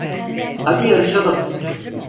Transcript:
Hadi yarışalım.